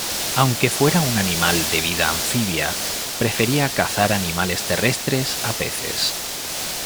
Aunque fuera un animal de vida anfibia, prefería cazar animales terrestres a peces.